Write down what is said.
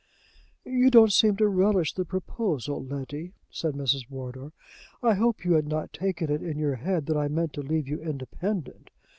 "You don't seem to relish the proposal, Letty," said Mrs. Wardour. "I hope you had not taken it in your head that I meant to leave you independent.